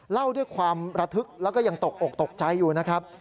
เล่าด้วยความระทึกแล้วก็ยังตกอกตกใจอยู่นะครับ